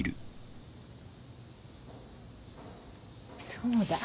そうだ。